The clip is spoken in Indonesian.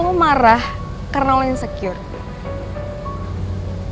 kenapa lo marah karena lo insecure